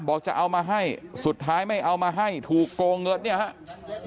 บอกจะเอามาให้สุดท้ายไม่เอามาให้ถูกโกงเงินเนี่ยครับ